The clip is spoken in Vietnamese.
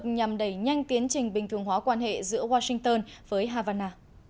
ông obama sẽ đẩy nhanh tiến trình bình thường hóa quan hệ giữa washington với havana